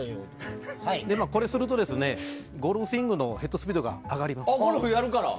これをすると、ゴルフスイングのヘッドスピードが上がります。